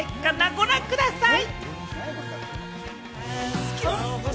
ご覧ください！